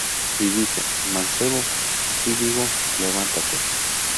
Y dice: Mancebo, á ti digo, levántate.